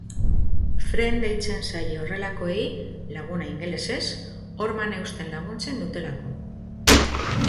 Friend deitzen zaie horrelakoei, laguna ingelesez, horman eusten laguntzen dutelako.